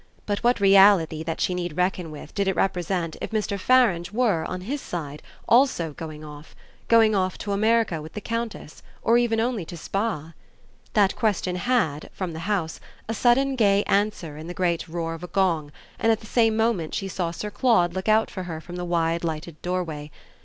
But what reality that she need reckon with did it represent if Mr. Farange were, on his side, also going off going off to America with the Countess, or even only to Spa? That question had, from the house, a sudden gay answer in the great roar of a gong, and at the same moment she saw Sir Claude look out for her from the wide lighted doorway.